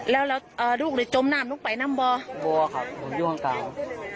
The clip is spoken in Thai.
แล้วแล้วอ่าลูกได้จมน้ำลงไปนั่งบ่อบ่อครับอยู่ข้างต่าง